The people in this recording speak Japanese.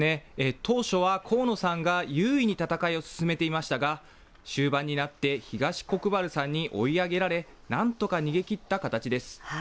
当初は河野さんが優位に戦いを進めていましたが、終盤になって東国原さんに追い上げられ、なんとか逃げきった形です。